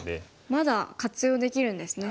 まだ活用できるんですね。